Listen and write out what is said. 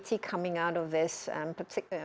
yang akan keluar dari ini